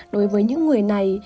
đối với những người này